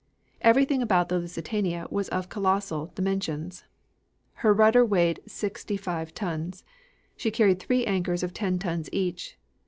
Everything about the Lusitania was of colossal dimensions. Her rudder weighed sixty five tons. She carried three anchors of ten tons each.